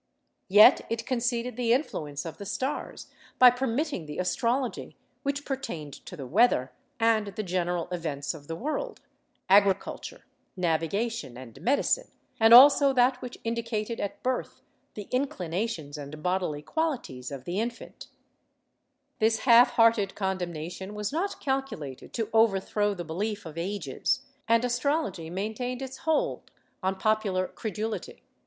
Yet it conceded the influence of the stars by permitting the astrol ogy which pertained to the weather and the general events of the world, agriculture, navigation and medicine, and also that which indicated at birth the inclinations and bodily qualities of the infant/ This half hearted condemnation was not calculated to overthrow the belief of ages, and astrology maintained its hold on popular credulity.